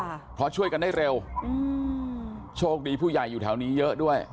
ค่ะเพราะช่วยกันได้เร็วอืมโชคดีผู้ใหญ่อยู่แถวนี้เยอะด้วย